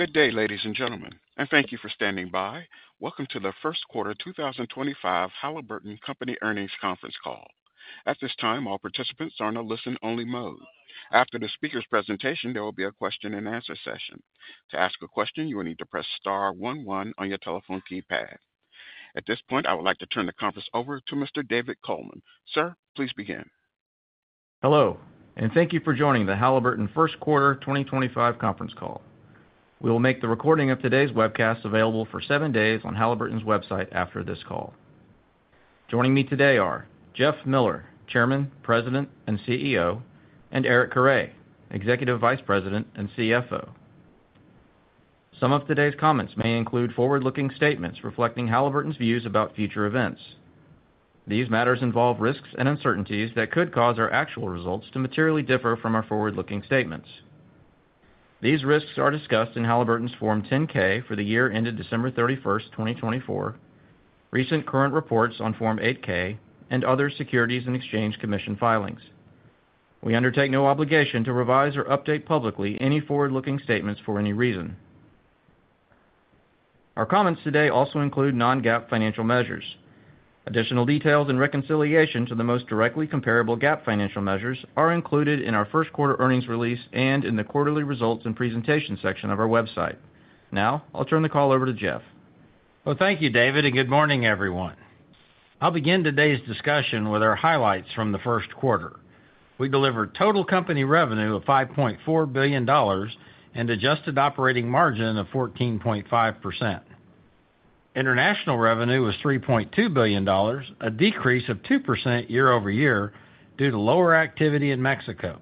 Good day, ladies and gentlemen, and thank you for standing by. Welcome to the First Quarter 2025 Halliburton Company Earnings Conference Call. At this time, all participants are in a listen-only mode. After the speaker's presentation, there will be a question-and-answer session. To ask a question, you will need to press star one one on your telephone keypad. At this point, I would like to turn the conference over to Mr. David Coleman. Sir, please begin. Hello, and thank you for joining the Halliburton first quarter 2025 conference call. We will make the recording of today's webcast available for seven days on Halliburton's website after this call. Joining me today are Jeff Miller, Chairman, President, and CEO, and Eric Carre, Executive Vice President and CFO. Some of today's comments may include forward-looking statements reflecting Halliburton's views about future events. These matters involve risks and uncertainties that could cause our actual results to materially differ from our forward-looking statements. These risks are discussed in Halliburton's Form 10-K for the year ended December 31, 2024, recent current reports on Form 8-K, and other Securities and Exchange Commission filings. We undertake no obligation to revise or update publicly any forward-looking statements for any reason. Our comments today also include non-GAAP financial measures. Additional details and reconciliation to the most directly comparable GAAP financial measures are included in our first quarter earnings release and in the quarterly results and presentation section of our website. Now, I'll turn the call over to Jeff. Thank you, David, and good morning, everyone. I'll begin today's discussion with our highlights from the first quarter. We delivered total company revenue of $5.4 billion and adjusted operating margin of 14.5%. International revenue was $3.2 billion, a decrease of 2% year-over-year due to lower activity in Mexico.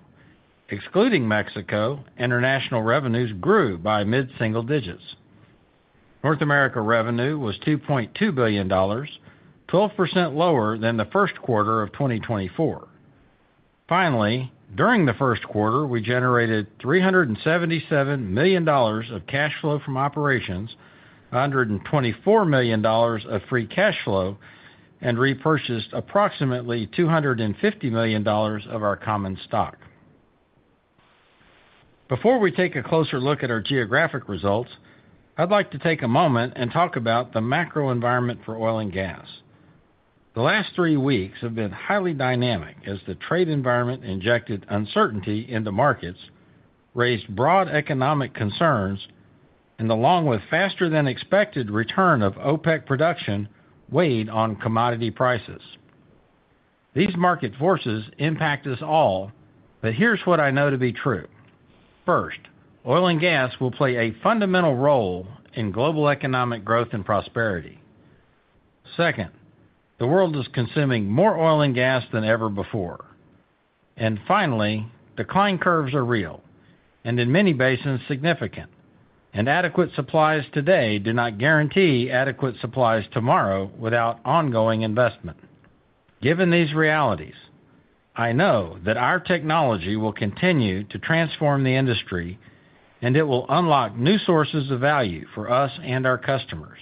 Excluding Mexico, international revenues grew by mid-single digits. North America revenue was $2.2 billion, 12% lower than the first quarter of 2024. Finally, during the first quarter, we generated $377 million of cash flow from operations, $124 million of free cash flow, and repurchased approximately $250 million of our common stock. Before we take a closer look at our geographic results, I'd like to take a moment and talk about the macro environment for oil and gas. The last three weeks have been highly dynamic as the trade environment injected uncertainty into markets, raised broad economic concerns, and the longer faster-than-expected return of OPEC production weighed on commodity prices. These market forces impact us all, but here's what I know to be true. First, oil and gas will play a fundamental role in global economic growth and prosperity. Second, the world is consuming more oil and gas than ever before. Finally, decline curves are real and in many basins significant, and adequate supplies today do not guarantee adequate supplies tomorrow without ongoing investment. Given these realities, I know that our technology will continue to transform the industry, and it will unlock new sources of value for us and our customers.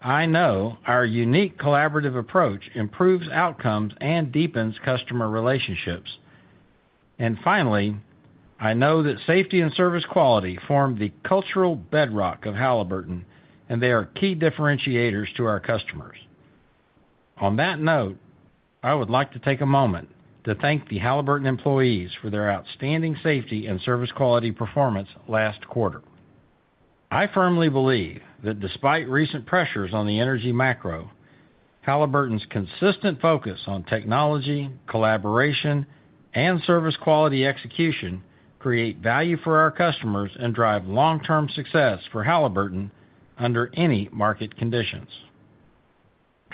I know our unique collaborative approach improves outcomes and deepens customer relationships. I know that safety and service quality form the cultural bedrock of Halliburton, and they are key differentiators to our customers. On that note, I would like to take a moment to thank the Halliburton employees for their outstanding safety and service quality performance last quarter. I firmly believe that despite recent pressures on the energy macro, Halliburton's consistent focus on technology, collaboration, and service quality execution creates value for our customers and drives long-term success for Halliburton under any market conditions.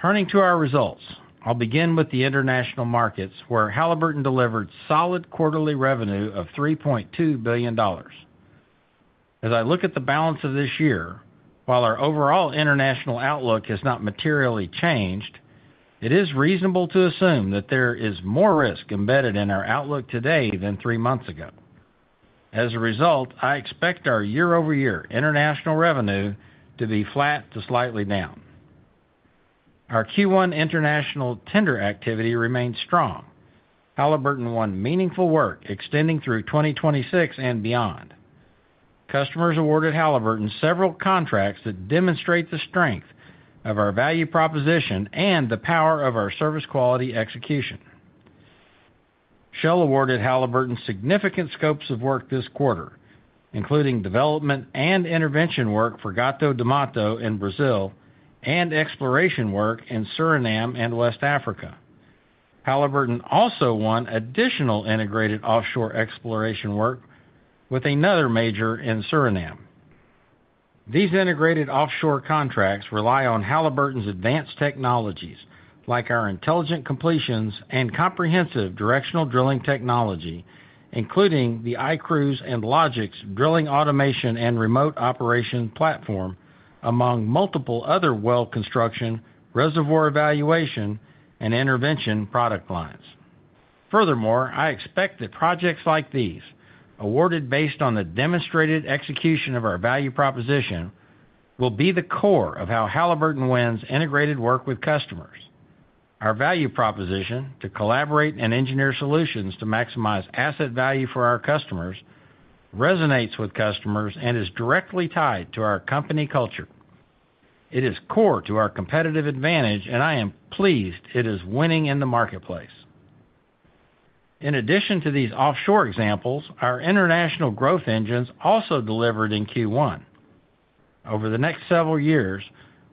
Turning to our results, I'll begin with the international markets where Halliburton delivered solid quarterly revenue of $3.2 billion. As I look at the balance of this year, while our overall international outlook has not materially changed, it is reasonable to assume that there is more risk embedded in our outlook today than three months ago. As a result, I expect our year-over-year international revenue to be flat to slightly down. Our Q1 international tender activity remained strong. Halliburton won meaningful work extending through 2026 and beyond. Customers awarded Halliburton several contracts that demonstrate the strength of our value proposition and the power of our service quality execution. Shell awarded Halliburton significant scopes of work this quarter, including development and intervention work for Gato do Mato in Brazil and exploration work in Suriname and West Africa. Halliburton also won additional integrated offshore exploration work with another major in Suriname. These integrated offshore contracts rely on Halliburton's advanced technologies like our intelligent completions and comprehensive directional drilling technology, including the iCruise and LOGIX drilling automation and remote operation platform, among multiple other well construction, reservoir evaluation, and intervention product lines. Furthermore, I expect that projects like these, awarded based on the demonstrated execution of our value proposition, will be the core of how Halliburton wins integrated work with customers. Our value proposition to collaborate and engineer solutions to maximize asset value for our customers resonates with customers and is directly tied to our company culture. It is core to our competitive advantage, and I am pleased it is winning in the marketplace. In addition to these offshore examples, our international growth engines also delivered in Q1. Over the next several years,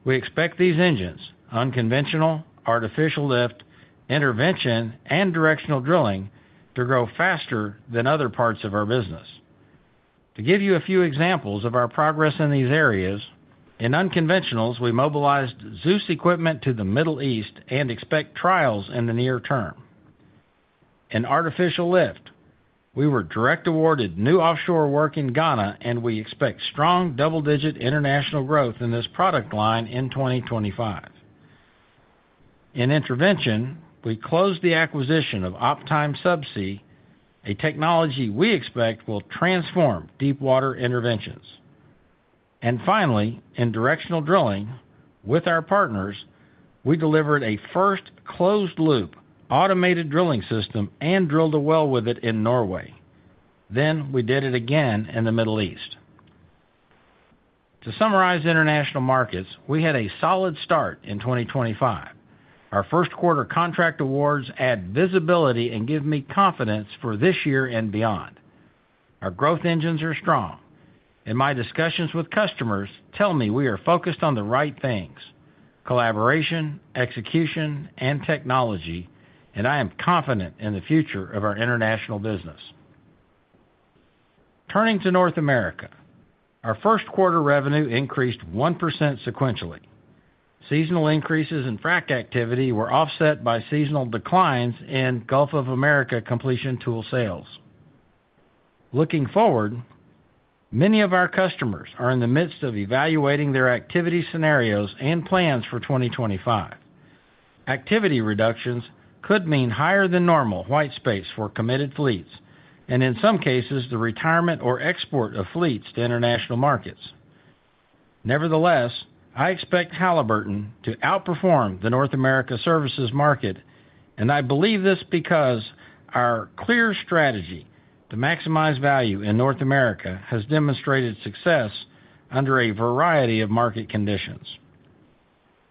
we expect these engines, unconventionals, artificial lift, intervention, and directional drilling, to grow faster than other parts of our business. To give you a few examples of our progress in these areas, in unconventionals, we mobilized Zeus equipment to the Middle East and expect trials in the near term. In artificial lift, we were direct awarded new offshore work in Ghana, and we expect strong double-digit international growth in this product line in 2025. In intervention, we closed the acquisition of Optime Subsea, a technology we expect will transform Deepwater interventions. Finally, in directional drilling, with our partners, we delivered a first closed-loop automated drilling system and drilled a well with it in Norway. We did it again in the Middle East. To summarize international markets, we had a solid start in 2025. Our first quarter contract awards add visibility and give me confidence for this year and beyond. Our growth engines are strong, and my discussions with customers tell me we are focused on the right things: collaboration, execution, and technology, and I am confident in the future of our international business. Turning to North America, our first quarter revenue increased 1% sequentially. Seasonal increases in frac activity were offset by seasonal declines in Gulf of Mexico completion tool sales. Looking forward, many of our customers are in the midst of evaluating their activity scenarios and plans for 2025. Activity reductions could mean higher than normal white space for committed fleets, and in some cases, the retirement or export of fleets to international markets. Nevertheless, I expect Halliburton to outperform the North America services market, and I believe this because our clear strategy to maximize value in North America has demonstrated success under a variety of market conditions.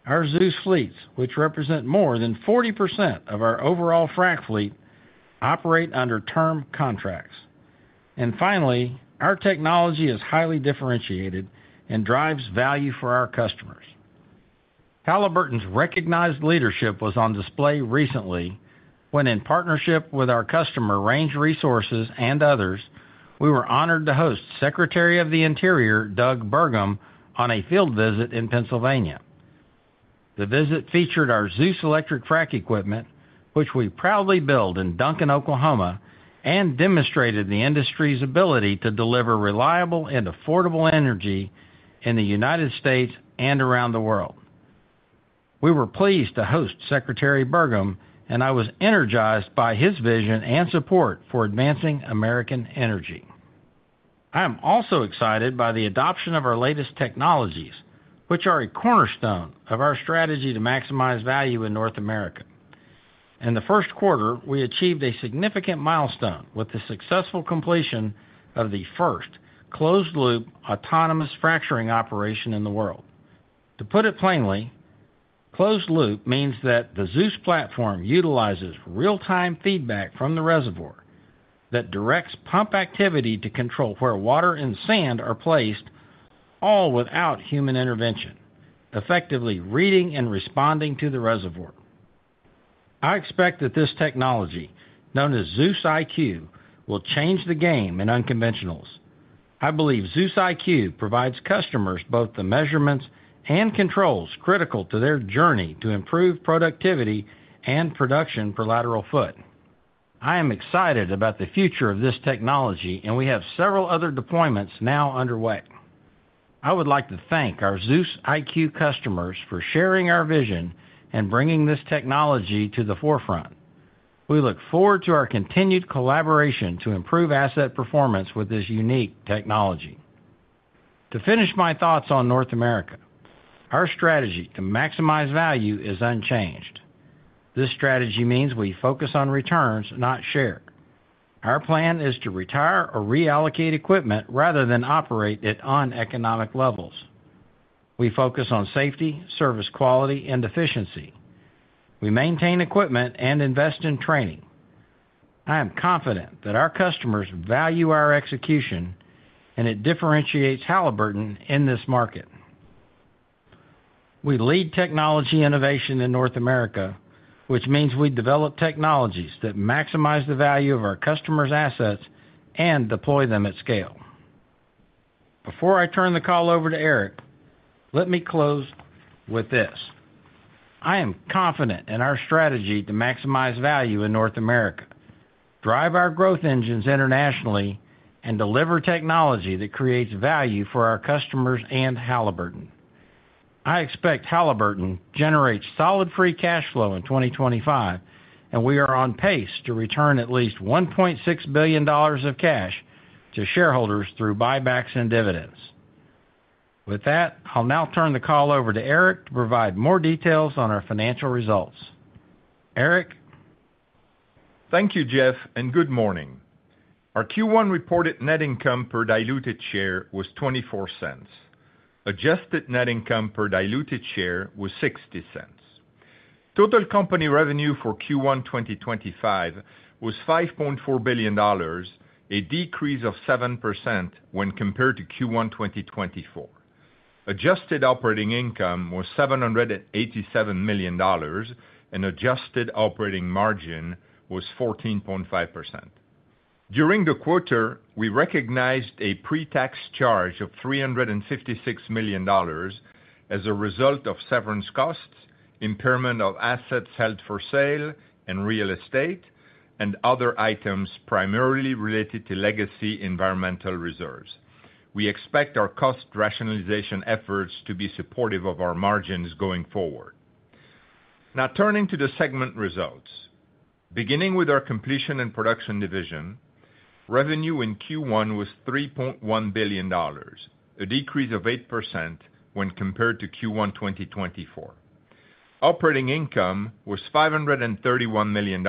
Our Zeus fleets, which represent more than 40% of our overall frac fleet, operate under term contracts. Finally, our technology is highly differentiated and drives value for our customers. Halliburton's recognized leadership was on display recently when, in partnership with our customer Range Resources and others, we were honored to host Secretary of the Interior, Doug Burgum, on a field visit in Pennsylvania. The visit featured our Zeus electric frac equipment, which we proudly build in Duncan, Oklahoma, and demonstrated the industry's ability to deliver reliable and affordable energy in the United States and around the world. We were pleased to host Secretary Burgum, and I was energized by his vision and support for advancing American energy. I'm also excited by the adoption of our latest technologies, which are a cornerstone of our strategy to maximize value in North America. In the first quarter, we achieved a significant milestone with the successful completion of the first closed-loop autonomous fracturing operation in the world. To put it plainly, closed-loop means that the Zeus platform utilizes real-time feedback from the reservoir that directs pump activity to control where water and sand are placed, all without human intervention, effectively reading and responding to the reservoir. I expect that this technology, known as ZEUS IQ, will change the game in unconventionals. I believe ZEUS IQ provides customers both the measurements and controls critical to their journey to improve productivity and production for lateral foot. I am excited about the future of this technology, and we have several other deployments now underway. I would like to thank our ZEUS IQ customers for sharing our vision and bringing this technology to the forefront. We look forward to our continued collaboration to improve asset performance with this unique technology. To finish my thoughts on North America, our strategy to maximize value is unchanged. This strategy means we focus on returns, not share. Our plan is to retire or reallocate equipment rather than operate at uneconomic levels. We focus on safety, service quality, and efficiency. We maintain equipment and invest in training. I am confident that our customers value our execution, and it differentiates Halliburton in this market. We lead technology innovation in North America, which means we develop technologies that maximize the value of our customers' assets and deploy them at scale. Before I turn the call over to Eric, let me close with this: I am confident in our strategy to maximize value in North America, drive our growth engines internationally, and deliver technology that creates value for our customers and Halliburton. I expect Halliburton to generate solid free cash flow in 2025, and we are on pace to return at least $1.6 billion of cash to shareholders through buybacks and dividends. With that, I'll now turn the call over to Eric to provide more details on our financial results. Eric. Thank you, Jeff, and good morning. Our Q1 reported net income per diluted share was $0.24. Adjusted net income per diluted share was $0.60. Total company revenue for Q1 2025 was $5.4 billion, a decrease of 7% when compared to Q1 2024. Adjusted operating income was $787 million, and adjusted operating margin was 14.5%. During the quarter, we recognized a pre-tax charge of $356 million as a result of severance costs, impairment of assets held for sale, and real estate, and other items primarily related to legacy environmental reserves. We expect our cost rationalization efforts to be supportive of our margins going forward. Now, turning to the segment results, beginning with our completion and production division, revenue in Q1 was $3.1 billion, a decrease of 8% when compared to Q1 2024. Operating income was $531 million,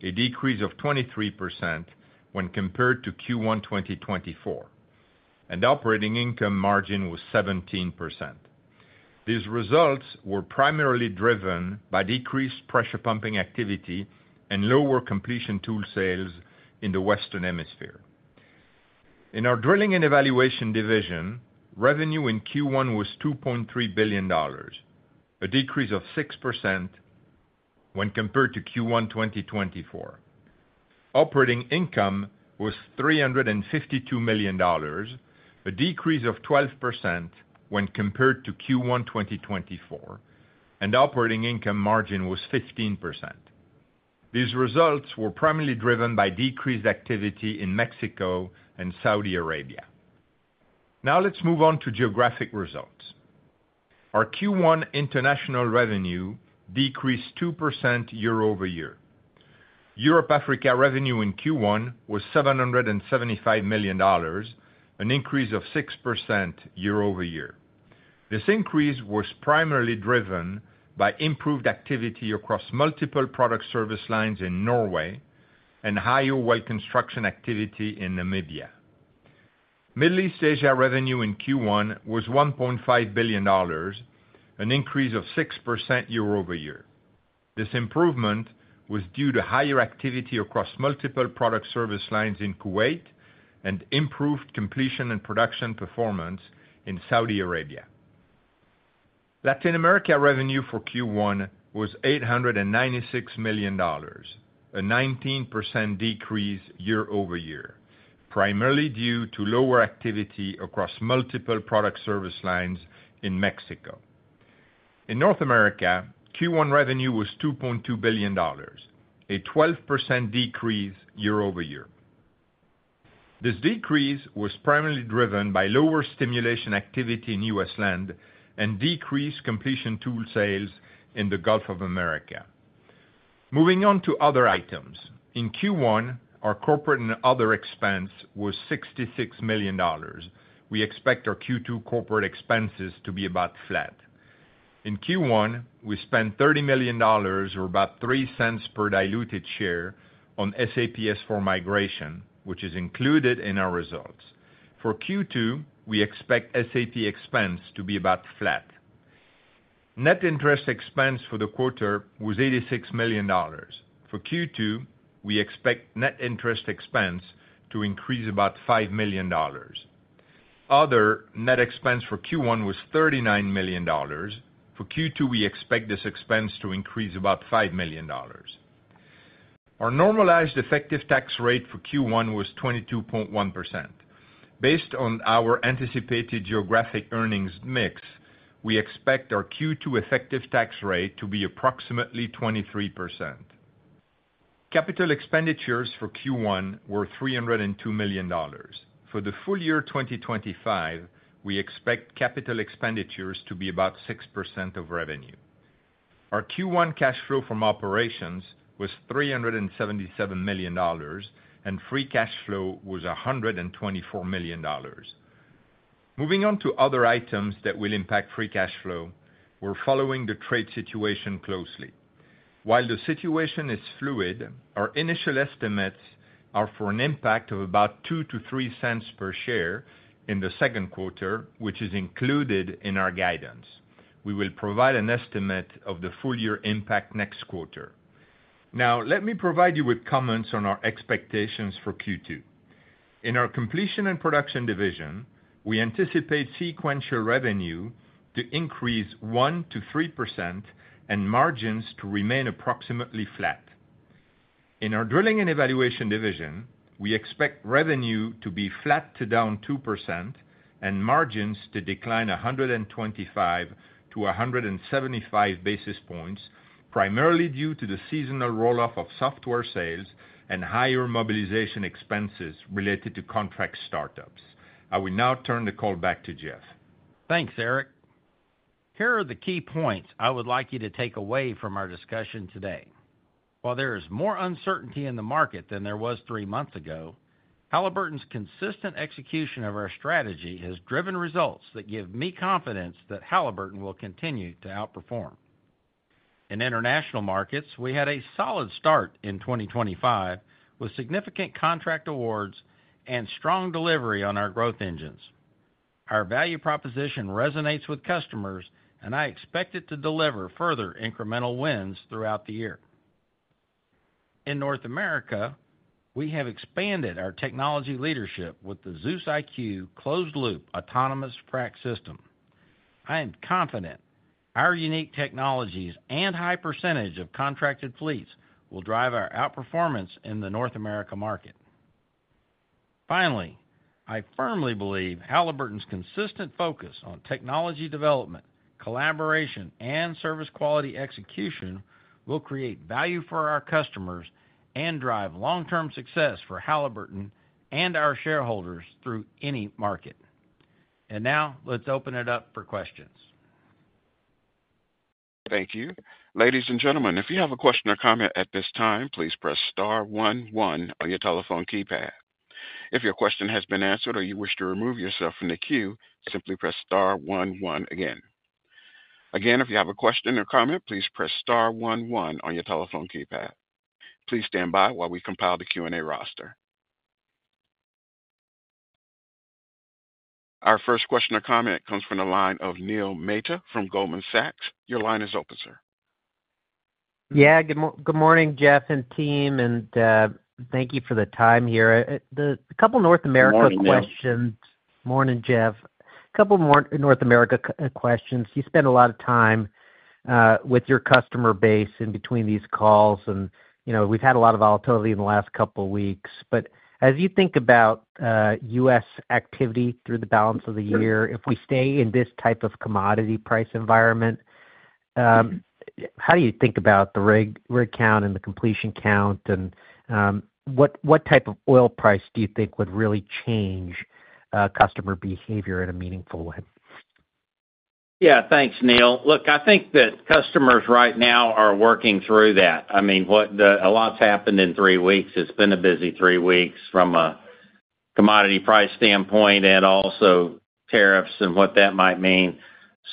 a decrease of 23% when compared to Q1 2024, and operating income margin was 17%. These results were primarily driven by decreased pressure pumping activity and lower completion tool sales in the Western Hemisphere. In our drilling and evaluation division, revenue in Q1 was $2.3 billion, a decrease of 6% when compared to Q1 2024. Operating income was $352 million, a decrease of 12% when compared to Q1 2024, and operating income margin was 15%. These results were primarily driven by decreased activity in Mexico and Saudi Arabia. Now, let's move on to geographic results. Our Q1 international revenue decreased 2% year-over-year. Europe-Africa revenue in Q1 was $775 million, an increase of 6% year-over-year. This increase was primarily driven by improved activity across multiple product service lines in Norway and higher well construction activity in Namibia. Middle East Asia revenue in Q1 was $1.5 billion, an increase of 6% year-over-year. This improvement was due to higher activity across multiple product service lines in Kuwait and improved completion and production performance in Saudi Arabia. Latin America revenue for Q1 was $896 million, a 19% decrease year-over-year, primarily due to lower activity across multiple product service lines in Mexico. In North America, Q1 revenue was $2.2 billion, a 12% decrease year-over-year. This decrease was primarily driven by lower stimulation activity in U.S. land and decreased completion tool sales in the Gulf of Mexico. Moving on to other items, in Q1, our corporate and other expense was $66 million. We expect our Q2 corporate expenses to be about flat. In Q1, we spent $30 million, or about $0.03 per diluted share, on SAP S/4 migration, which is included in our results. For Q2, we expect SAP expense to be about flat. Net interest expense for the quarter was $86 million. For Q2, we expect net interest expense to increase about $5 million. Other net expense for Q1 was $39 million. For Q2, we expect this expense to increase about $5 million. Our normalized effective tax rate for Q1 was 22.1%. Based on our anticipated geographic earnings mix, we expect our Q2 effective tax rate to be approximately 23%. Capital expenditures for Q1 were $302 million. For the full year 2025, we expect capital expenditures to be about 6% of revenue. Our Q1 cash flow from operations was $377 million, and free cash flow was $124 million. Moving on to other items that will impact free cash flow, we're following the trade situation closely. While the situation is fluid, our initial estimates are for an impact of about $0.02-$0.03 per share in the second quarter, which is included in our guidance. We will provide an estimate of the full year impact next quarter. Now, let me provide you with comments on our expectations for Q2. In our Completion and Production division, we anticipate sequential revenue to increase 1%-3% and margins to remain approximately flat. In our Drilling and Evaluation division, we expect revenue to be flat to down 2% and margins to decline 125-175 basis points, primarily due to the seasonal rolloff of software sales and higher mobilization expenses related to contract startups. I will now turn the call back to Jeff. Thanks, Eric. Here are the key points I would like you to take away from our discussion today. While there is more uncertainty in the market than there was three months ago, Halliburton's consistent execution of our strategy has driven results that give me confidence that Halliburton will continue to outperform. In international markets, we had a solid start in 2025 with significant contract awards and strong delivery on our growth engines. Our value proposition resonates with customers, and I expect it to deliver further incremental wins throughout the year. In North America, we have expanded our technology leadership with the ZEUS IQ closed-loop autonomous frac system. I am confident our unique technologies and high percentage of contracted fleets will drive our outperformance in the North America market. Finally, I firmly believe Halliburton's consistent focus on technology development, collaboration, and service quality execution will create value for our customers and drive long-term success for Halliburton and our shareholders through any market. Now, let's open it up for questions. Thank you. Ladies and gentlemen, if you have a question or comment at this time, please press star one one on your telephone keypad. If your question has been answered or you wish to remove yourself from the queue, simply press star one one again. Again, if you have a question or comment, please press star one one your telephone keypad. Please stand by while we compile the Q&A roster. Our first question or comment comes from the line of Neil Mehta from Goldman Sachs. Your line is open, sir. Yeah, good morning, Jeff and team, and thank you for the time here. A couple of North America questions. Good morning, Jeff. Morning, Jeff. A couple of North America questions. You spend a lot of time with your customer base in between these calls, and we've had a lot of volatility in the last couple of weeks. As you think about U.S. activity through the balance of the year, if we stay in this type of commodity price environment, how do you think about the rig count and the completion count, and what type of oil price do you think would really change customer behavior in a meaningful way? Yeah, thanks, Neil. Look, I think that customers right now are working through that. I mean, a lot's happened in three weeks. It's been a busy three weeks from a commodity price standpoint and also tariffs and what that might mean.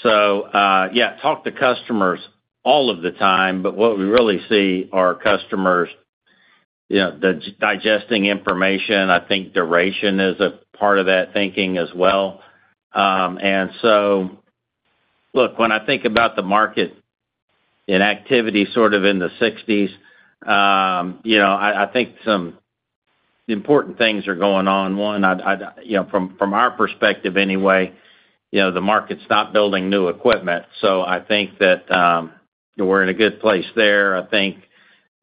Yeah, talk to customers all of the time, but what we really see are customers digesting information. I think duration is a part of that thinking as well. Look, when I think about the market in activity sort of in the 60s, I think some important things are going on. One, from our perspective anyway, the market's not building new equipment. I think that we're in a good place there. I think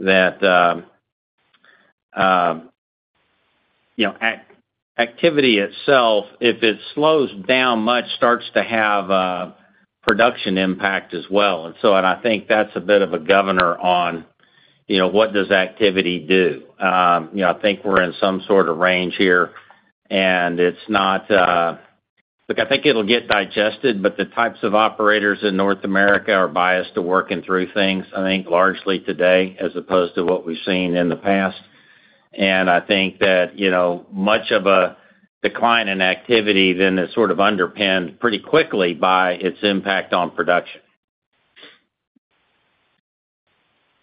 that activity itself, if it slows down much, starts to have a production impact as well. I think that's a bit of a governor on what does activity do. I think we're in some sort of range here, and it's not, look, I think it'll get digested, but the types of operators in North America are biased to working through things, I think, largely today as opposed to what we've seen in the past. I think that much of a decline in activity then is sort of underpinned pretty quickly by its impact on production.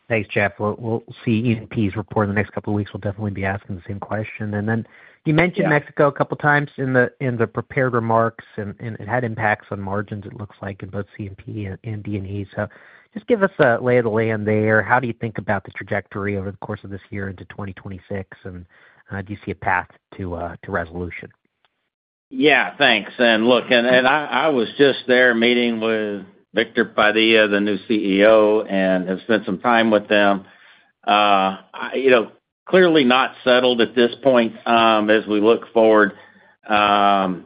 Thanks, Jeff. We'll see E&Ps report in the next couple of weeks. We'll definitely be asking the same question. You mentioned Mexico a couple of times in the prepared remarks, and it had impacts on margins, it looks like, in both C&P and D&E. Just give us a lay of the land there. How do you think about the trajectory over the course of this year into 2026, and do you see a path to resolution? Yeah, thanks. Look, I was just there meeting with Victor Padilla, the new CEO, and have spent some time with them. Clearly not settled at this point as we look forward. I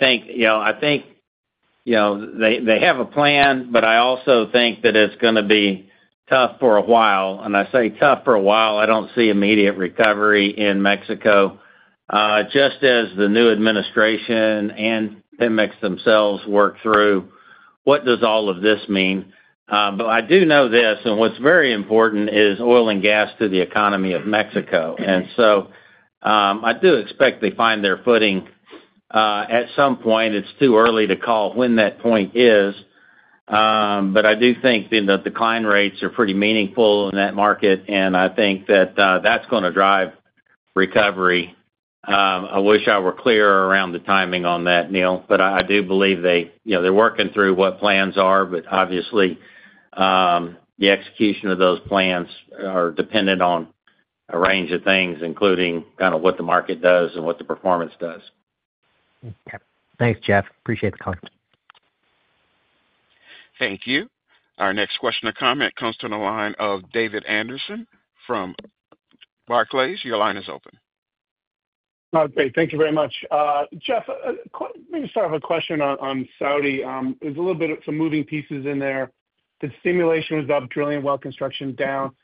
think they have a plan, but I also think that it's going to be tough for a while. I say tough for a while, I don't see immediate recovery in Mexico, just as the new administration and Pemex themselves work through what does all of this mean. I do know this, and what's very important is oil and gas to the economy of Mexico. I do expect they find their footing at some point. It's too early to call when that point is, but I do think that the decline rates are pretty meaningful in that market, and I think that that's going to drive recovery. I wish I were clearer around the timing on that, Neil, but I do believe they're working through what plans are, but obviously, the execution of those plans are dependent on a range of things, including kind of what the market does and what the performance does. Okay. Thanks, Jeff. Appreciate the comment. Thank you. Our next question or comment comes to the line of David Anderson from Barclays. Your line is open. Okay. Thank you very much. Jeff, let me just start off with a question on Saudi. There's a little bit of some moving pieces in there. The stimulation was up, drilling and well construction down.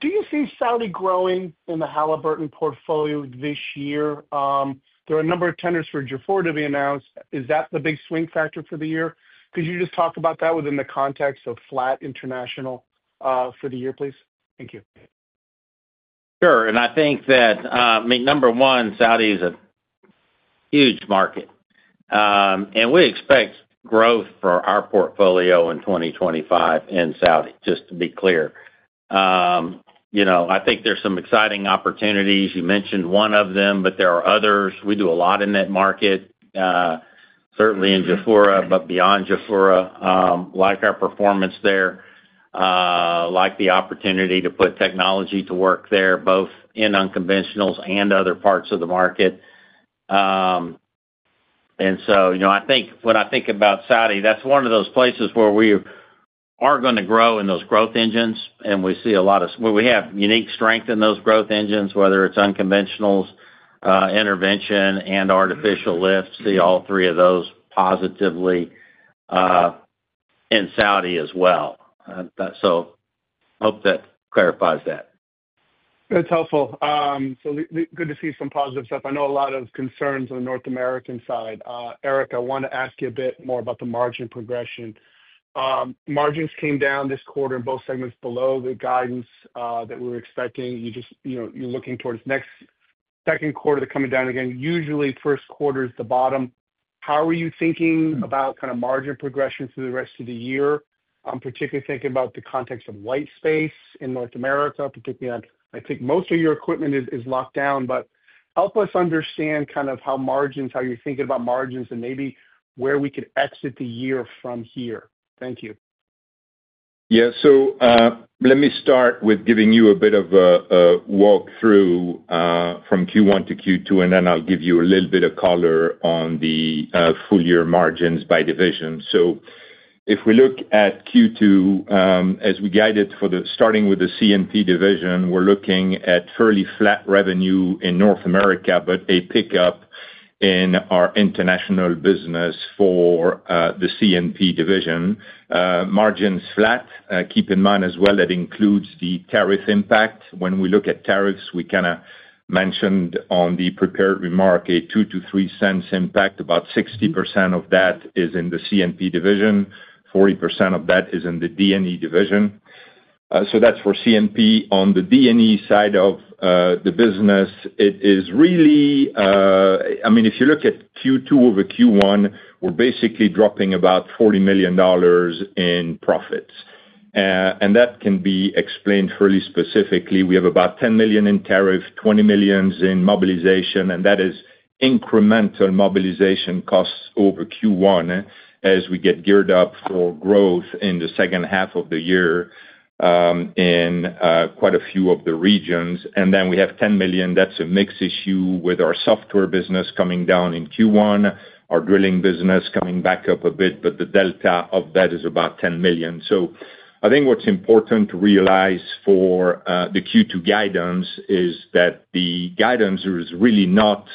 Do you see Saudi growing in the Halliburton portfolio this year? There are a number of tenders for Jafurah to be announced. Is that the big swing factor for the year? Could you just talk about that within the context of flat international for the year, please? Thank you. Sure. I think that, I mean, number one, Saudi is a huge market, and we expect growth for our portfolio in 2025 in Saudi, just to be clear. I think there are some exciting opportunities. You mentioned one of them, but there are others. We do a lot in that market, certainly in Jafurah, but beyond Jafurah, like our performance there, like the opportunity to put technology to work there, both in unconventionals and other parts of the market. I think when I think about Saudi, that's one of those places where we are going to grow in those growth engines, and we see a lot of we have unique strength in those growth engines, whether it's unconventionals, intervention, and artificial lift. See all three of those positively in Saudi as well. Hope that clarifies that. That's helpful. Good to see some positive stuff. I know a lot of concerns on the North American side. Eric, I want to ask you a bit more about the margin progression. Margins came down this quarter in both segments below the guidance that we were expecting. You're looking towards next second quarter coming down again. Usually, first quarter is the bottom. How are you thinking about kind of margin progression through the rest of the year, particularly thinking about the context of white space in North America? I think most of your equipment is locked down, but help us understand kind of how margins, how you're thinking about margins, and maybe where we could exit the year from here. Thank you. Yeah. Let me start with giving you a bit of a walkthrough from Q1 to Q2, and then I'll give you a little bit of color on the full year margins by division. If we look at Q2, as we guided for starting with the C&P division, we're looking at fairly flat revenue in North America, but a pickup in our international business for the C&P division. Margins flat. Keep in mind as well that includes the tariff impact. When we look at tariffs, we kind of mentioned on the prepared remark, a $0.02-$0.03 impact. About 60% of that is in the C&P division. 40% of that is in the D&E division. That is for C&P. On the D&E side of the business, it is really, I mean, if you look at Q2 over Q1, we're basically dropping about $40 million in profits. That can be explained fairly specifically. We have about $10 million in tariff, $20 million in mobilization, and that is incremental mobilization costs over Q1 as we get geared up for growth in the second half of the year in quite a few of the regions. We have $10 million. That is a mixed issue with our software business coming down in Q1, our drilling business coming back up a bit, but the delta of that is about $10 million. I think what is important to realize for the Q2 guidance is that the guidance is really not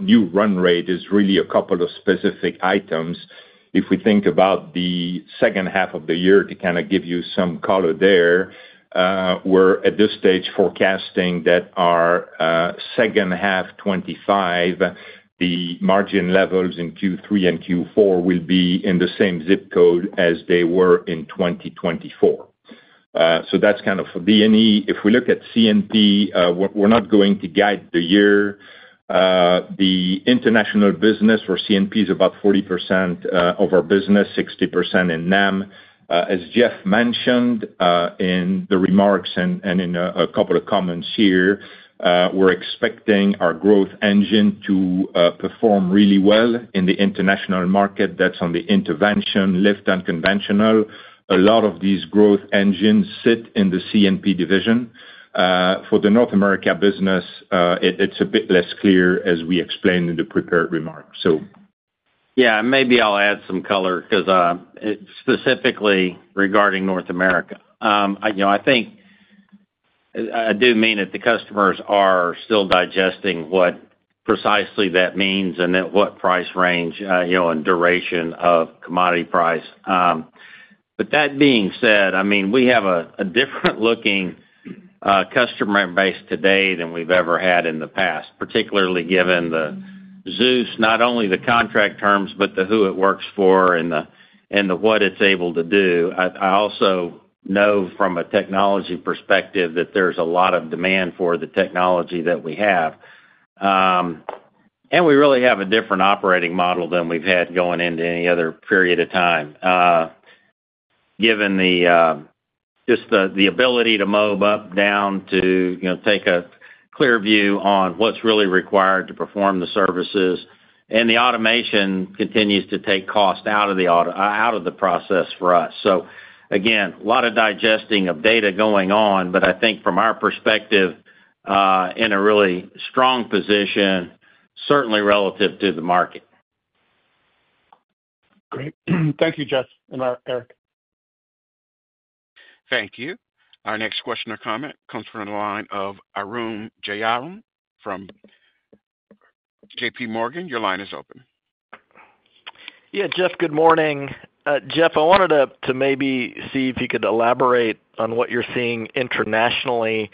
new run rate. It is really a couple of specific items. If we think about the second half of the year, to kind of give you some color there, we're at this stage forecasting that our second half 2025, the margin levels in Q3 and Q4 will be in the same zip code as they were in 2024. That's kind of for D&E. If we look at C&P, we're not going to guide the year. The international business for C&P is about 40% of our business, 60% in NAM. As Jeff mentioned in the remarks and in a couple of comments here, we're expecting our growth engine to perform really well in the international market. That's on the intervention, lift, unconventional. A lot of these growth engines sit in the C&P division. For the North America business, it's a bit less clear as we explained in the prepared remark, so. Yeah. Maybe I'll add some color because specifically regarding North America, I think I do mean that the customers are still digesting what precisely that means and at what price range and duration of commodity price. That being said, I mean, we have a different looking customer base today than we've ever had in the past, particularly given the Zeus, not only the contract terms, but who it works for and what it's able to do. I also know from a technology perspective that there's a lot of demand for the technology that we have. We really have a different operating model than we've had going into any other period of time, given just the ability to mob up, down, to take a clear view on what's really required to perform the services. The automation continues to take cost out of the process for us. Again, a lot of digesting of data going on, but I think from our perspective, in a really strong position, certainly relative to the market. Great. Thank you, Jeff and Eric. Thank you. Our next question or comment comes from the line of Arun Jayaram from JPMorgan. Your line is open. Yeah, Jeff, good morning. Jeff, I wanted to maybe see if you could elaborate on what you're seeing internationally.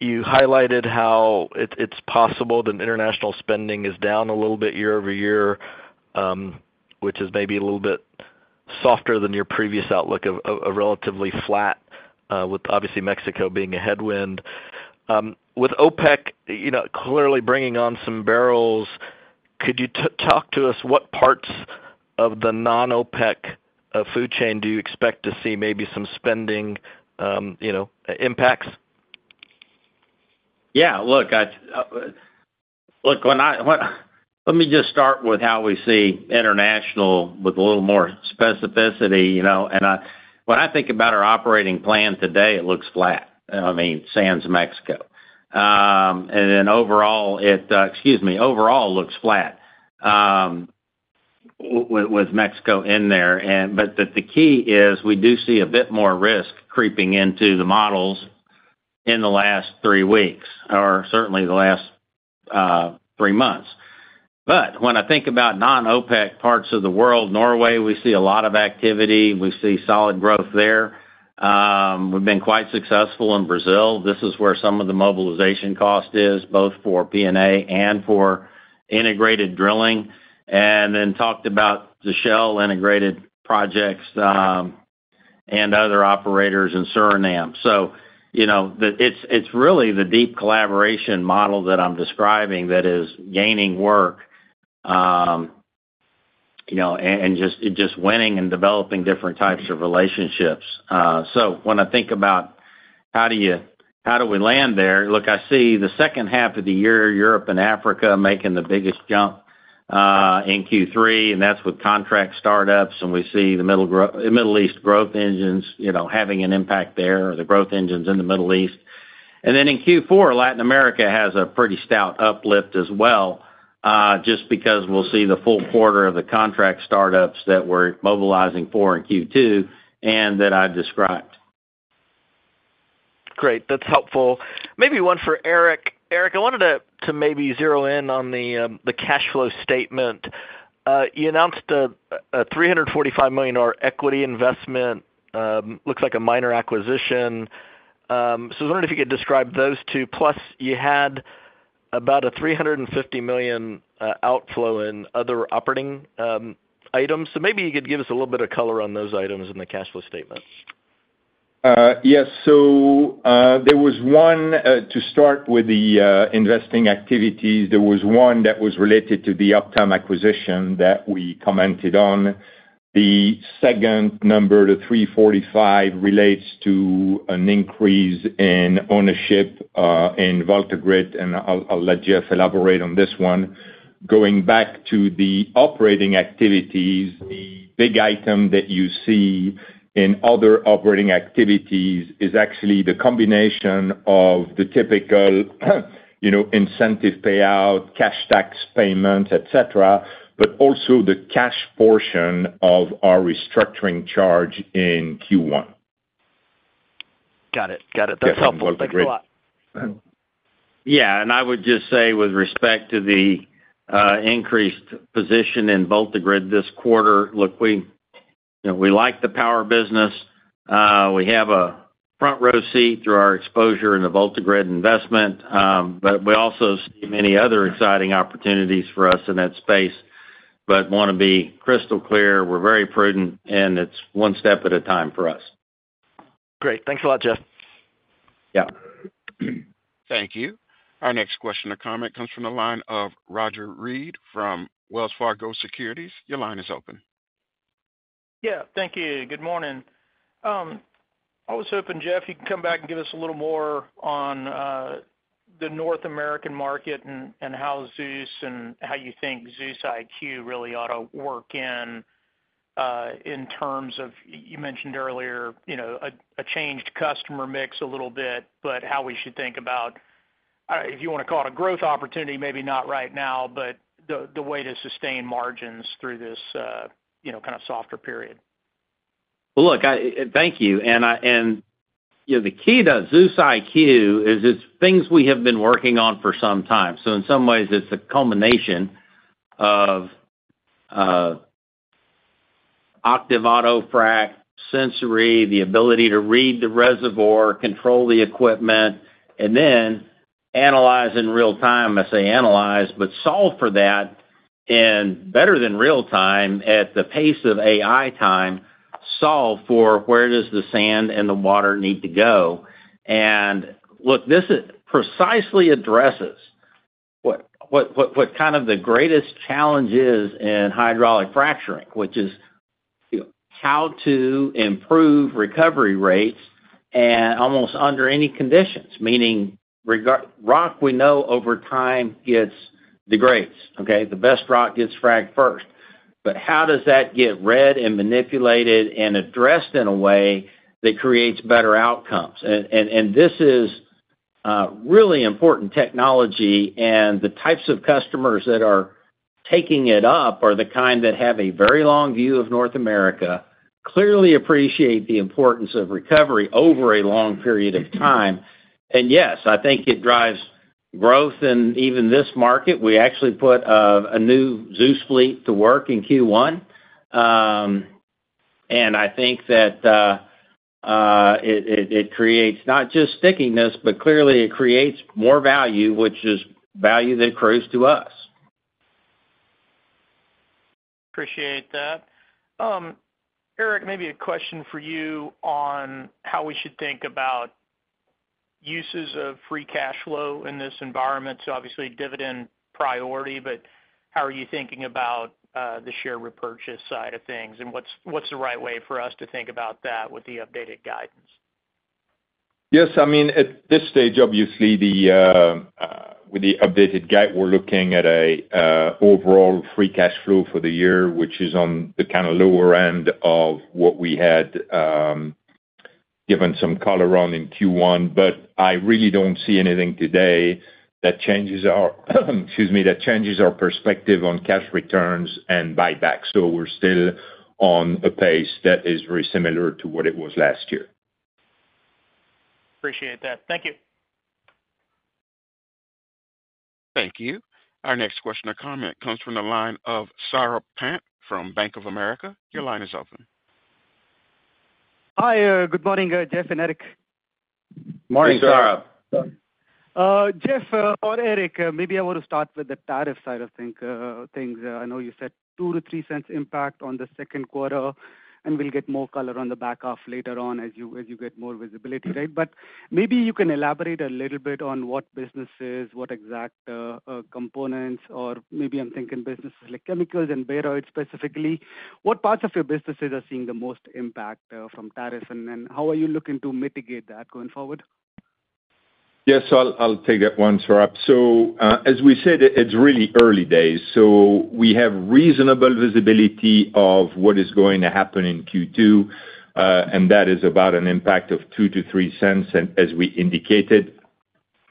You highlighted how it's possible that international spending is down a little bit year-over-year, which is maybe a little bit softer than your previous outlook of relatively flat, with obviously Mexico being a headwind. With OPEC clearly bringing on some barrels, could you talk to us what parts of the non-OPEC food chain do you expect to see maybe some spending impacts? Yeah. Look, let me just start with how we see international with a little more specificity. When I think about our operating plan today, it looks flat. I mean, sans Mexico. Overall, excuse me, overall looks flat with Mexico in there. The key is we do see a bit more risk creeping into the models in the last three weeks or certainly the last three months. When I think about non-OPEC parts of the world, Norway, we see a lot of activity. We see solid growth there. We've been quite successful in Brazil. This is where some of the mobilization cost is, both for P&A and for integrated drilling. I talked about the Shell integrated projects and other operators in Suriname. It is really the deep collaboration model that I'm describing that is gaining work and just winning and developing different types of relationships. When I think about how do we land there, look, I see the second half of the year, Europe and Africa making the biggest jump in Q3, and that's with contract startups. We see the Middle East growth engines having an impact there or the growth engines in the Middle East. In Q4, Latin America has a pretty stout uplift as well, just because we'll see the full quarter of the contract startups that we're mobilizing for in Q2 and that I've described. Great. That's helpful. Maybe one for Eric. Eric, I wanted to maybe zero in on the cash flow statement. You announced a $345 million equity investment. Looks like a minor acquisition. I wondered if you could describe those two. Plus, you had about a $350 million outflow in other operating items. Maybe you could give us a little bit of color on those items in the cash flow statement. Yes. There was one, to start with the investing activities, there was one that was related to the Optime Subsea acquisition that we commented on. The second number, the $345, relates to an increase in ownership in VoltaGrid, and I'll let Jeff elaborate on this one. Going back to the operating activities, the big item that you see in other operating activities is actually the combination of the typical incentive payout, cash tax payment, etc., but also the cash portion of our restructuring charge in Q1. Got it. Got it. That's helpful. Thank you a lot. Yeah. I would just say with respect to the increased position in VoltaGrid this quarter, look, we like the power business. We have a front row seat through our exposure in the VoltaGrid investment, but we also see many other exciting opportunities for us in that space. I want to be crystal clear. We're very prudent, and it's one step at a time for us. Great. Thanks a lot, Jeff. Yeah. Thank you. Our next question or comment comes from the line of Roger Read from Wells Fargo Securities. Your line is open. Yeah. Thank you. Good morning. I was hoping, Jeff, you could come back and give us a little more on the North American market and how Zeus and how you think Zeus IQ really ought to work in terms of, you mentioned earlier, a changed customer mix a little bit, but how we should think about, if you want to call it a growth opportunity, maybe not right now, but the way to sustain margins through this kind of softer period. Thank you. The key to Zeus IQ is it's things we have been working on for some time. In some ways, it's a culmination of Octiv Auto Frac, Sensori, the ability to read the reservoir, control the equipment, and then analyze in real time. I say analyze, but solve for that in better than real time at the pace of AI time, solve for where does the sand and the water need to go. This precisely addresses what kind of the greatest challenge is in hydraulic fracturing, which is how to improve recovery rates and almost under any conditions. Meaning rock we know over time gets degrades. The best rock gets fragged first. How does that get read and manipulated and addressed in a way that creates better outcomes? This is really important technology. The types of customers that are taking it up are the kind that have a very long view of North America, clearly appreciate the importance of recovery over a long period of time. Yes, I think it drives growth. Even in this market, we actually put a new Zeus fleet to work in Q1. I think that it creates not just stickiness, but clearly it creates more value, which is value that accrues to us. Appreciate that. Eric, maybe a question for you on how we should think about uses of free cash flow in this environment. Obviously, dividend priority, but how are you thinking about the share repurchase side of things? What's the right way for us to think about that with the updated guidance? Yes. I mean, at this stage, obviously, with the updated guide, we're looking at an overall free cash flow for the year, which is on the kind of lower end of what we had given some color on in Q1. I really do not see anything today that changes our perspective on cash returns and buyback. We are still on a pace that is very similar to what it was last year. Appreciate that. Thank you. Thank you. Our next question or comment comes from the line of Saurabh Pant from Bank of America. Your line is open. Hi. Good morning, Jeff and Eric. Morning, Saurabh. Jeff or Eric, maybe I want to start with the tariff side of things. I know you said $0.02-$0.03 impact on the second quarter, and we'll get more color on the back half later on as you get more visibility. Right? Maybe you can elaborate a little bit on what businesses, what exact components, or maybe I'm thinking businesses like chemicals and batteries specifically. What parts of your businesses are seeing the most impact from tariff, and how are you looking to mitigate that going forward? Yes. I'll take that one, Saurabh. As we said, it's really early days. We have reasonable visibility of what is going to happen in Q2, and that is about an impact of $0.02-$0.03. As we indicated,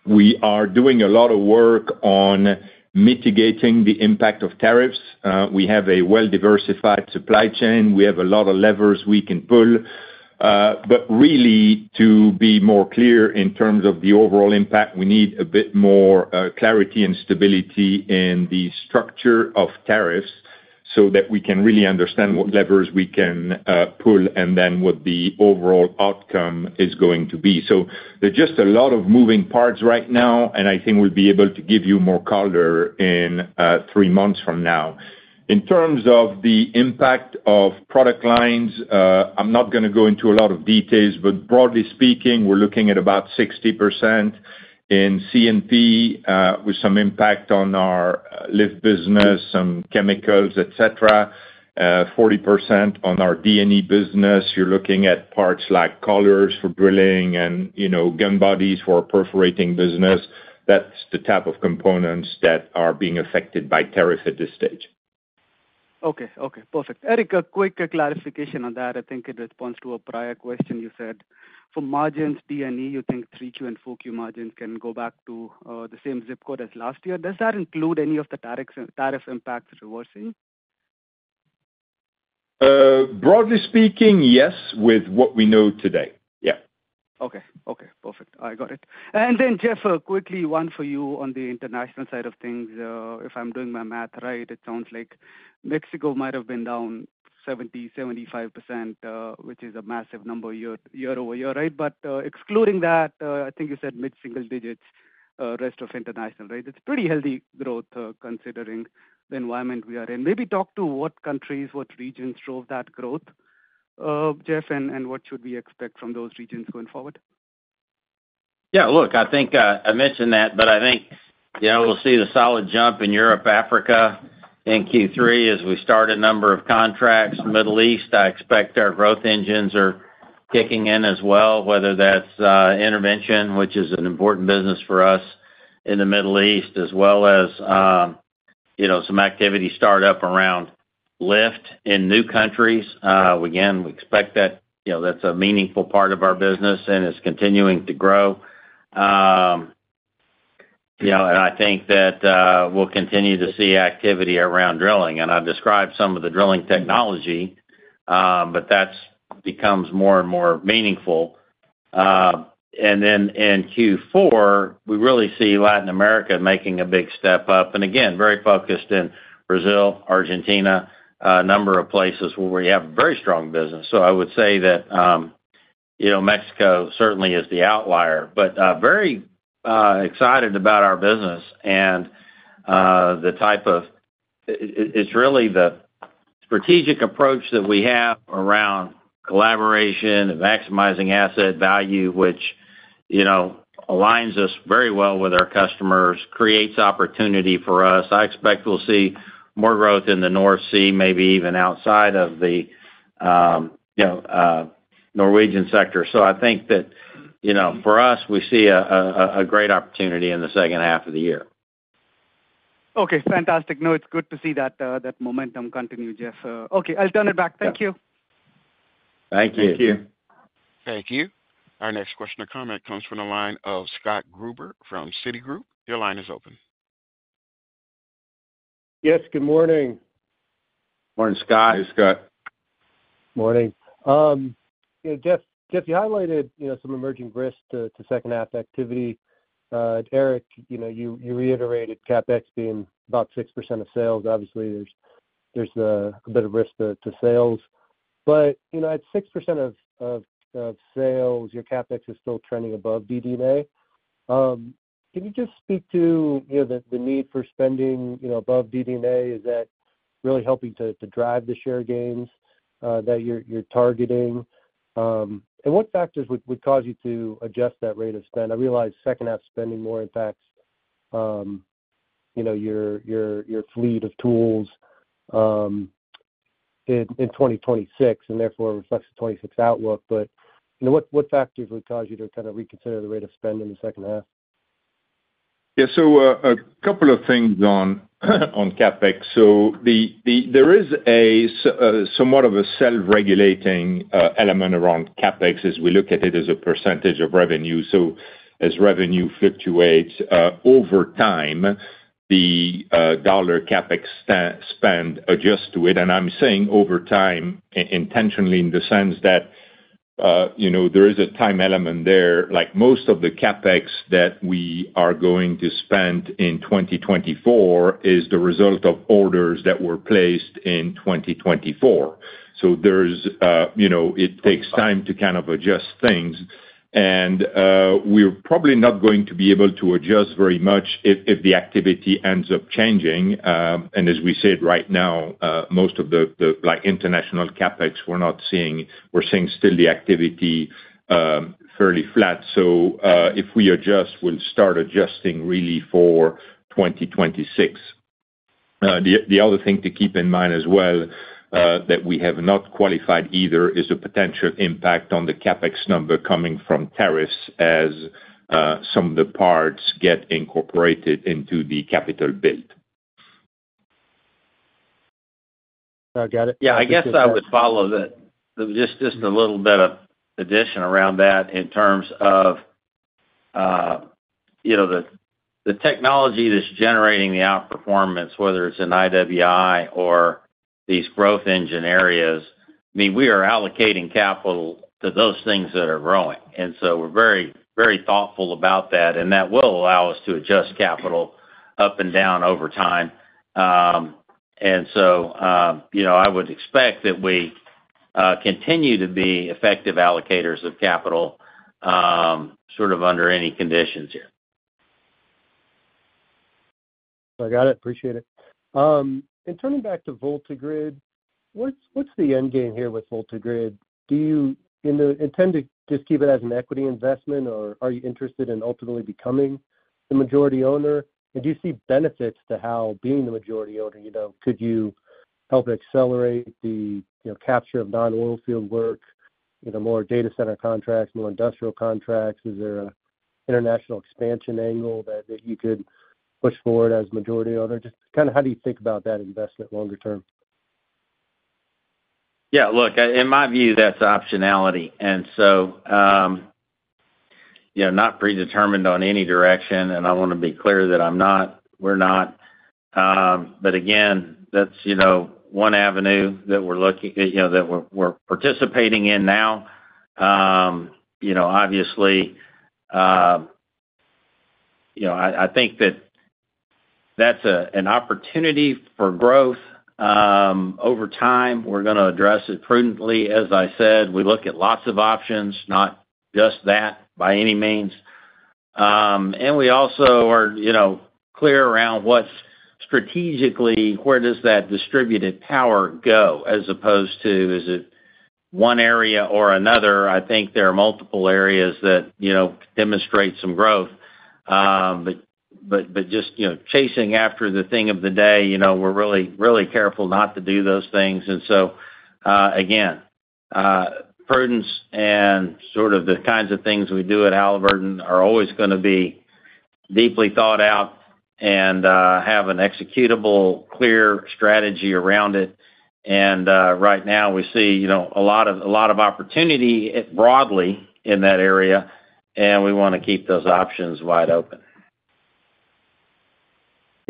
we are doing a lot of work on mitigating the impact of tariffs. We have a well-diversified supply chain. We have a lot of levers we can pull. To be more clear in terms of the overall impact, we need a bit more clarity and stability in the structure of tariffs so that we can really understand what levers we can pull and what the overall outcome is going to be. There are just a lot of moving parts right now, and I think we'll be able to give you more color in three months from now. In terms of the impact of product lines, I'm not going to go into a lot of details, but broadly speaking, we're looking at about 60% in C&P with some impact on our lift business, some chemicals, etc., 40% on our D&E business. You're looking at parts like collars for drilling and gun bodies for a perforating business. That's the type of components that are being affected by tariff at this stage. Okay. Okay. Perfect. Eric, a quick clarification on that. I think it responds to a prior question you said. For margins, D&E, you think 3Q and 4Q margins can go back to the same zip code as last year. Does that include any of the tariff impacts reversing? Broadly speaking, yes, with what we know today. Yeah. Okay. Okay. Perfect. I got it. Jeff, a quickly one for you on the international side of things. If I'm doing my math right, it sounds like Mexico might have been down 70-75%, which is a massive number year-over-year. Right? Excluding that, I think you said mid-single digits, rest of international. Right? It's pretty healthy growth considering the environment we are in. Maybe talk to what countries, what regions drove that growth, Jeff, and what should we expect from those regions going forward? Yeah. Look, I think I mentioned that, but I think we'll see the solid jump in Europe-Africa in Q3 as we start a number of contracts. Middle East, I expect our growth engines are kicking in as well, whether that's intervention, which is an important business for us in the Middle East, as well as some activity startup around lift in new countries. Again, we expect that that's a meaningful part of our business, and it's continuing to grow. I think that we'll continue to see activity around drilling. I've described some of the drilling technology, but that becomes more and more meaningful. In Q4, we really see Latin America making a big step up. Again, very focused in Brazil, Argentina, a number of places where we have very strong business. I would say that Mexico certainly is the outlier, but very excited about our business and the type of it's really the strategic approach that we have around collaboration and maximizing asset value, which aligns us very well with our customers, creates opportunity for us. I expect we'll see more growth in the North Sea, maybe even outside of the Norwegian sector. I think that for us, we see a great opportunity in the second half of the year. Okay. Fantastic. No, it's good to see that momentum continue, Jeff. Okay. I'll turn it back. Thank you. Thank you. Thank you. Thank you. Our next question or comment comes from the line of Scott Gruber from Citigroup. Your line is open. Yes. Good morning. Morning, Scott. Hey, Scott. Morning. Jeff, you highlighted some emerging risks to second-half activity. Eric, you reiterated CapEx being about 6% of sales. Obviously, there's a bit of risk to sales. At 6% of sales, your CapEx is still trending above DD&A. Can you just speak to the need for spending above DD&A? Is that really helping to drive the share gains that you're targeting? What factors would cause you to adjust that rate of spend? I realize second-half spending more impacts your fleet of tools in 2026 and therefore reflects the 2026 outlook. What factors would cause you to kind of reconsider the rate of spend in the second half? Yeah. A couple of things on CapEx. There is somewhat of a self-regulating element around CapEx as we look at it as a percentage of revenue. As revenue fluctuates over time, the dollar CapEx spend adjusts to it. I'm saying over time intentionally in the sense that there is a time element there. Most of the CapEx that we are going to spend in 2024 is the result of orders that were placed in 2024. It takes time to kind of adjust things. We're probably not going to be able to adjust very much if the activity ends up changing. As we said right now, most of the international CapEx, we're seeing still the activity fairly flat. If we adjust, we'll start adjusting really for 2026. The other thing to keep in mind as well that we have not qualified either is the potential impact on the CapEx number coming from tariffs as some of the parts get incorporated into the capital build. I got it. Yeah. I guess I would follow that just a little bit of addition around that in terms of the technology that's generating the outperformance, whether it's an IWI or these growth engine areas. I mean, we are allocating capital to those things that are growing. We are very, very thoughtful about that. That will allow us to adjust capital up and down over time. I would expect that we continue to be effective allocators of capital sort of under any conditions here. I got it. Appreciate it. Turning back to VoltaGrid, what's the end game here with VoltaGrid? Do you intend to just keep it as an equity investment, or are you interested in ultimately becoming the majority owner? Do you see benefits to how being the majority owner, could you help accelerate the capture of non-oilfield work, more data center contracts, more industrial contracts? Is there an international expansion angle that you could push forward as a majority owner? Just kind of how do you think about that investment longer term? Yeah. Look, in my view, that's optionality. Not predetermined on any direction. I want to be clear that we're not. Again, that's one avenue that we're looking at that we're participating in now. Obviously, I think that that's an opportunity for growth over time. We're going to address it prudently. As I said, we look at lots of options, not just that by any means. We also are clear around what's strategically, where does that distributed power go as opposed to is it one area or another? I think there are multiple areas that demonstrate some growth. Just chasing after the thing of the day, we're really careful not to do those things. Again, prudence and sort of the kinds of things we do at Halliburton are always going to be deeply thought out and have an executable, clear strategy around it. Right now, we see a lot of opportunity broadly in that area, and we want to keep those options wide open.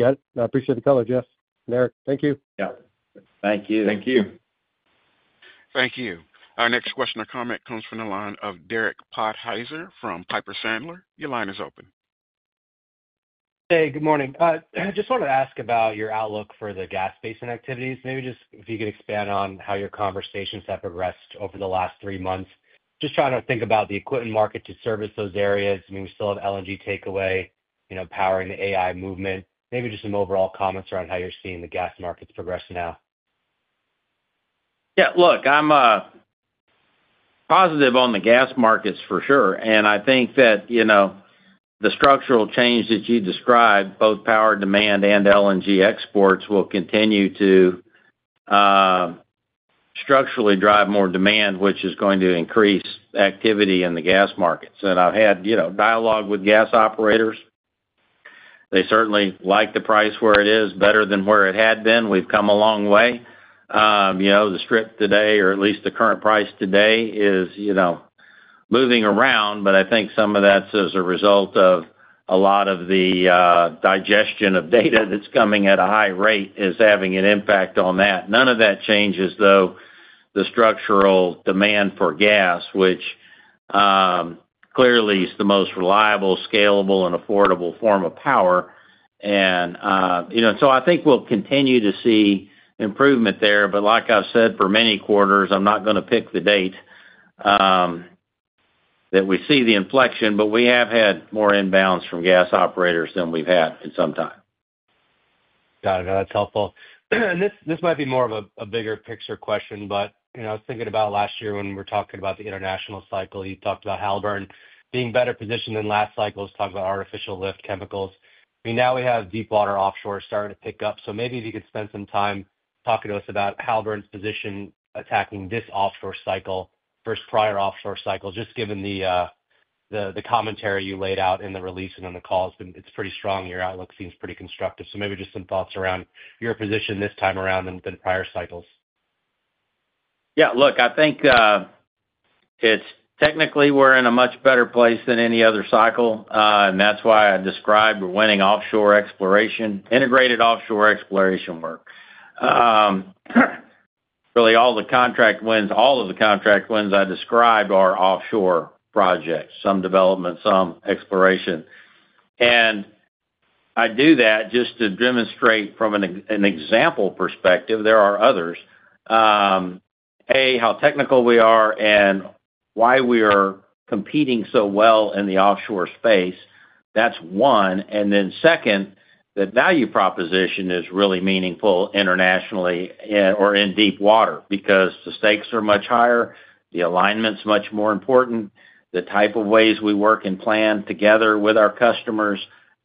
Yeah. I appreciate the color, Jeff. And Eric, thank you. Yeah. Thank you. Thank you. Thank you. Our next question or comment comes from the line of Derek Podhaizer from Piper Sandler. Your line is open. Hey, good morning. Just wanted to ask about your outlook for the gas basin activities. Maybe just if you could expand on how your conversations have progressed over the last three months. Just trying to think about the equipment market to service those areas. I mean, we still have LNG takeaway, powering the AI movement. Maybe just some overall comments around how you're seeing the gas markets progress now. Yeah. Look, I'm positive on the gas markets for sure. I think that the structural change that you described, both power demand and LNG exports, will continue to structurally drive more demand, which is going to increase activity in the gas markets. I've had dialogue with gas operators. They certainly like the price where it is, better than where it had been. We've come a long way. The strip today, or at least the current price today, is moving around. I think some of that's as a result of a lot of the digestion of data that's coming at a high rate is having an impact on that. None of that changes, though, the structural demand for gas, which clearly is the most reliable, scalable, and affordable form of power. I think we'll continue to see improvement there. Like I've said for many quarters, I'm not going to pick the date that we see the inflection, but we have had more inbounds from gas operators than we've had in some time. Got it. That's helpful. This might be more of a bigger picture question, but I was thinking about last year when we were talking about the international cycle, you talked about Halliburton being better positioned than last cycle, talked about artificial lift chemicals. I mean, now we have deepwater offshore starting to pick up. Maybe if you could spend some time talking to us about Halliburton's position attacking this offshore cycle, first prior offshore cycle, just given the commentary you laid out in the release and on the calls, it's pretty strong. Your outlook seems pretty constructive. Maybe just some thoughts around your position this time around than prior cycles. Yeah. Look, I think technically we're in a much better place than any other cycle. That's why I described winning offshore exploration, integrated offshore exploration work. Really, all the contract wins, all of the contract wins I described are offshore projects, some development, some exploration. I do that just to demonstrate from an example perspective. There are others. A, how technical we are and why we are competing so well in the offshore space. That's one. Then second, the value proposition is really meaningful internationally or in deepwater because the stakes are much higher, the alignment's much more important, the type of ways we work and plan together with our customers.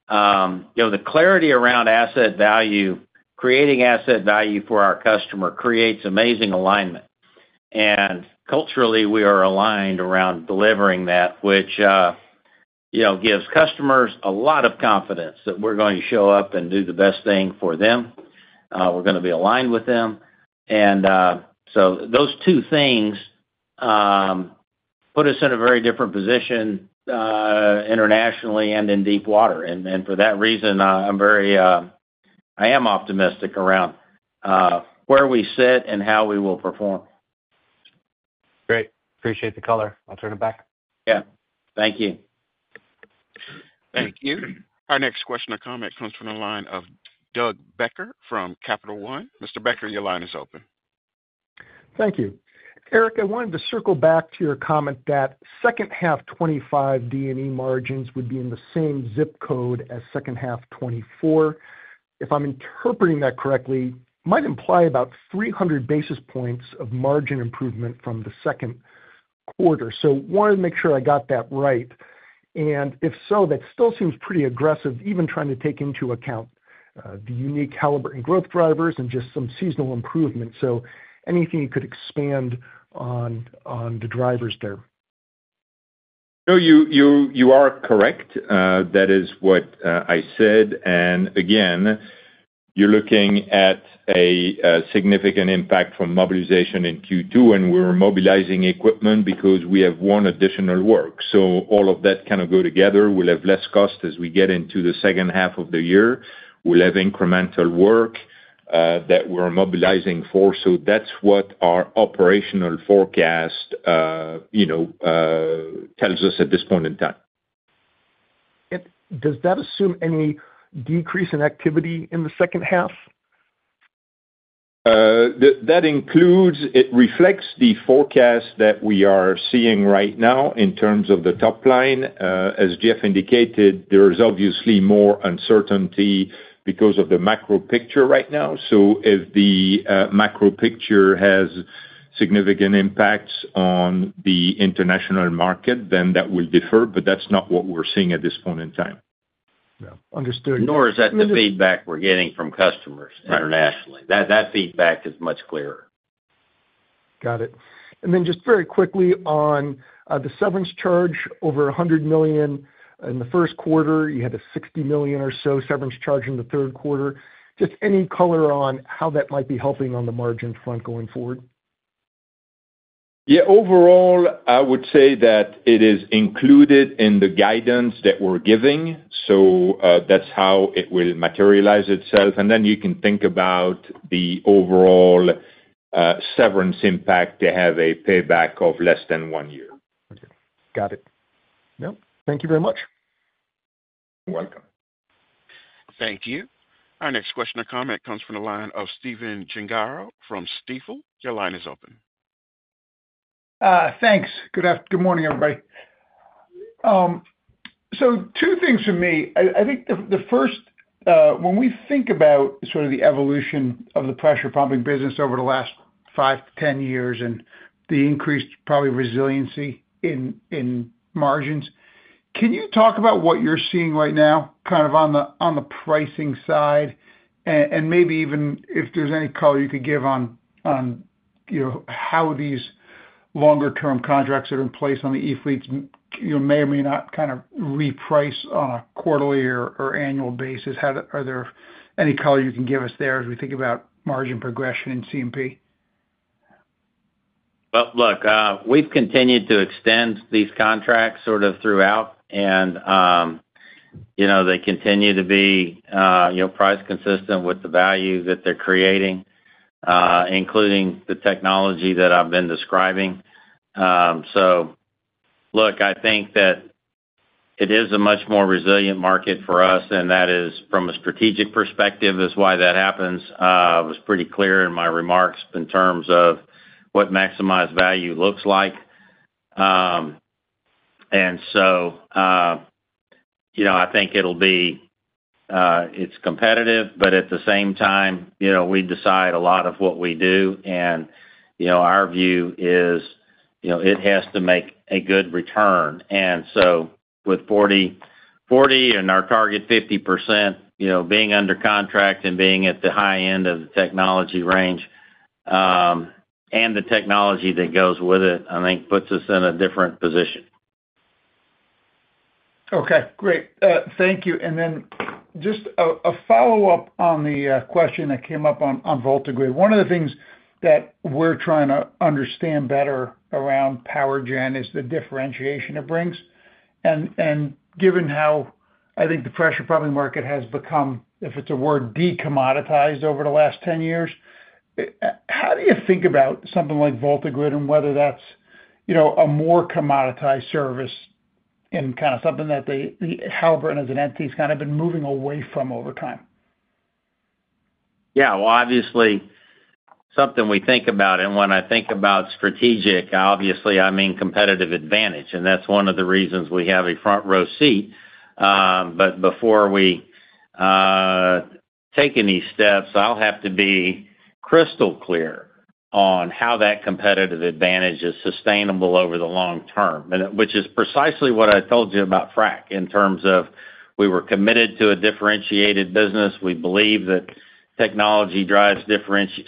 The clarity around asset value, creating asset value for our customer creates amazing alignment. Culturally, we are aligned around delivering that, which gives customers a lot of confidence that we're going to show up and do the best thing for them. We're going to be aligned with them. Those two things put us in a very different position internationally and in deepwater. For that reason, I am optimistic around where we sit and how we will perform. Great. Appreciate the color. I'll turn it back. Yeah. Thank you. Thank you. Our next question or comment comes from the line of Doug Becker from Capital One. Mr. Becker, your line is open. Thank you. Eric, I wanted to circle back to your comment that second-half 2025 D&E margins would be in the same zip code as second-half 2024. If I'm interpreting that correctly, it might imply about 300 basis points of margin improvement from the second quarter. I wanted to make sure I got that right. If so, that still seems pretty aggressive, even trying to take into account the unique Halliburton growth drivers and just some seasonal improvement. Anything you could expand on the drivers there? No, you are correct. That is what I said. Again, you're looking at a significant impact from mobilization in Q2, and we're mobilizing equipment because we have one additional work. All of that kind of goes together. We'll have less cost as we get into the second half of the year. We'll have incremental work that we're mobilizing for. That is what our operational forecast tells us at this point in time. Does that assume any decrease in activity in the second half? That includes it reflects the forecast that we are seeing right now in terms of the top line. As Jeff indicated, there is obviously more uncertainty because of the macro picture right now. If the macro picture has significant impacts on the international market, then that will differ. That's not what we're seeing at this point in time. Yeah. Understood. Nor is that the feedback we're getting from customers internationally. That feedback is much clearer. Got it. And then just very quickly on the severance charge, over $100 million in the first quarter, you had a $60 million or so severance charge in the third quarter. Just any color on how that might be helping on the margin front going forward? Yeah. Overall, I would say that it is included in the guidance that we're giving. That is how it will materialize itself. You can think about the overall severance impact to have a payback of less than one year. Got it. Yeah. Thank you very much. You're welcome. Thank you. Our next question or comment comes from the line of Stephen Gengaro from Stifel. Your line is open. Thanks. Good morning, everybody. Two things for me. I think the first, when we think about sort of the evolution of the pressure pumping business over the last 5 to 10 years and the increased probably resiliency in margins, can you talk about what you're seeing right now kind of on the pricing side? Maybe even if there's any color you could give on how these longer-term contracts that are in place on the e-fleets may or may not kind of reprice on a quarterly or annual basis. Any color you can give us there as we think about margin progression in C&P? Look, we've continued to extend these contracts sort of throughout. They continue to be price-consistent with the value that they're creating, including the technology that I've been describing. I think that it is a much more resilient market for us. That is from a strategic perspective why that happens. I was pretty clear in my remarks in terms of what maximized value looks like. I think it'll be, it's competitive. At the same time, we decide a lot of what we do. Our view is it has to make a good return. With 40 and our target 50% being under contract and being at the high end of the technology range and the technology that goes with it, I think puts us in a different position. Okay. Great. Thank you. Just a follow-up on the question that came up on VoltaGrid. One of the things that we're trying to understand better around power gen is the differentiation it brings. Given how I think the pressure pumping market has become, if it's a word, decommoditized over the last 10 years, how do you think about something like VoltaGrid and whether that's a more commoditized service and kind of something that Halliburton as an entity has kind of been moving away from over time? Yeah. Obviously, something we think about. And when I think about strategic, obviously, I mean competitive advantage. That is one of the reasons we have a front-row seat. Before we take any steps, I have to be crystal clear on how that competitive advantage is sustainable over the long term, which is precisely what I told you about frac in terms of we were committed to a differentiated business. We believe that technology drives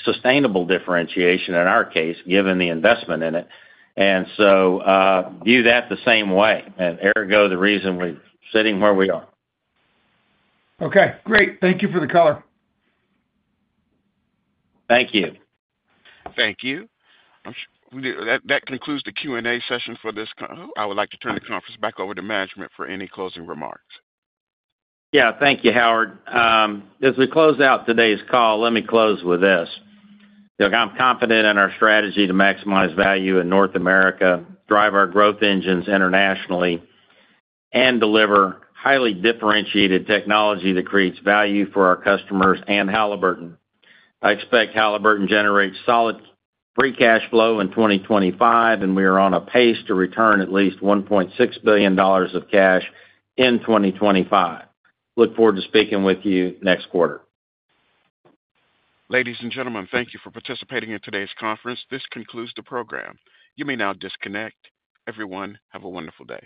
sustainable differentiation in our case, given the investment in it. I view that the same way. Ergo the reason we are sitting where we are. Okay. Great. Thank you for the color. Thank you. Thank you. That concludes the Q&A session for this. I would like to turn the conference back over to management for any closing remarks. Yeah. Thank you, Howard. As we close out today's call, let me close with this. Look, I'm confident in our strategy to maximize value in North America, drive our growth engines internationally, and deliver highly differentiated technology that creates value for our customers and Halliburton. I expect Halliburton generates solid free cash flow in 2025, and we are on a pace to return at least $1.6 billion of cash in 2025. Look forward to speaking with you next quarter. Ladies and gentlemen, thank you for participating in today's conference. This concludes the program. You may now disconnect. Everyone, have a wonderful day.